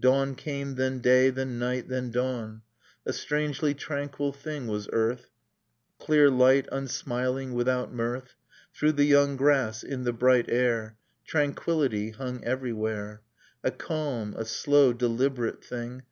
Dawn came, then day; then night, then dawn. A strangely tranquil thing was earth: Clear light, unsmiling, without mirth. Through the young grass, in the bright air, Tranquillity hung everywhere, A calm, a slow, deliberate thing.